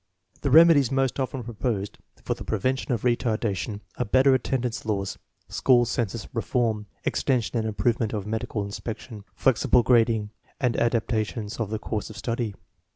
The remedies most often proposed for the prevention of retardation are better attendance laws, school census reform, extension and improvement of medical inspection, flexible grading, and adaptations of the course of study.